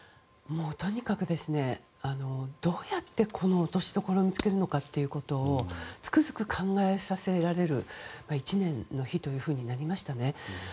とにかくどうやって落としどころを見つけるのかということをつくづく考えさせられる１年の日となりましたね。